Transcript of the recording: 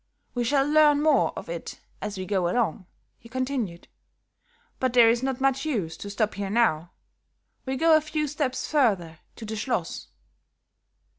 We shall learn more of it as we go along," he continued, "but there is not much use to stop here now. We go a few steps further to the Schloss."